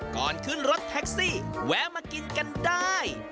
ก่อนขึ้นรถแท็กซี่แวะมากินกันได้